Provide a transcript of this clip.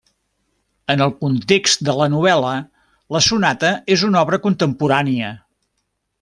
En el context de la novel·la, la sonata és una obra contemporània.